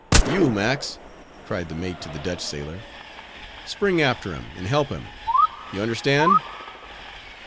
"You Max," cried the mate to the Dutch sailor, "spring after him, and help him; you understand?"